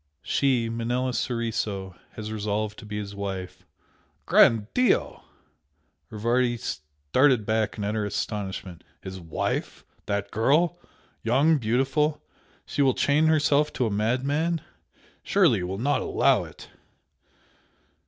She Manella Soriso has resolved to be his wife." "Gran' Dio!" Rivardi started back in utter amazement "His wife? That girl? Young, beautiful? She will chain herself to a madman? Surely you will not allow it!"